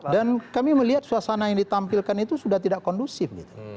dan kami melihat suasana yang ditampilkan itu sudah tidak kondusif gitu